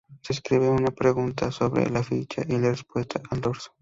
Se escribe una pregunta sobre la ficha y la repuesta al dorso.